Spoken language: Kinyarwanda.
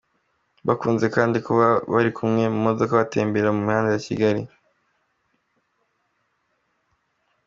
Bakunze kandi kuba bari kumwe mu modoka batembera mu mihanda ya Kigali.